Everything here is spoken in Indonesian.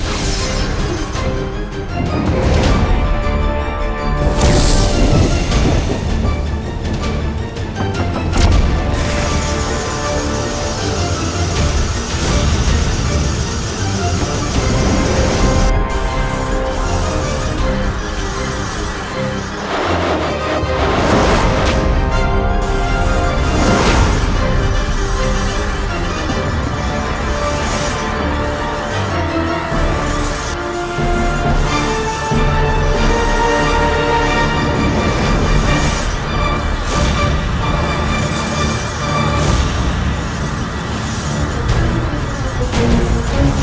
aku harus membantu